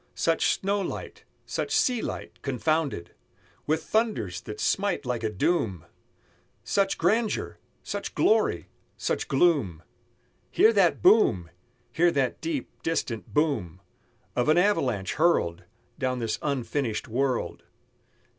Such snow light, such sea light, confounded With thunders that smite like a doom! Such grandeur! such glory! such gloom! Hear that boom! Hear that deep distant boom Of an avalanche hurled Down this unfinished world!